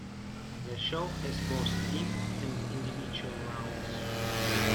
The show has both team and individual rounds.